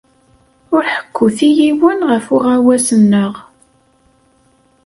Ur ḥekkut i yiwen ɣef uɣawas-nneɣ.